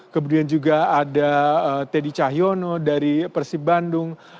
kemudian juga ada teddy cahyono dari persib bandung